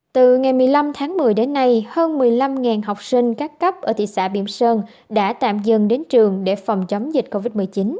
từ ngày một mươi năm tháng một mươi đến nay hơn một mươi năm học sinh các cấp ở thị xã biểm sơn đã tạm dừng đến trường để phòng chống dịch covid một mươi chín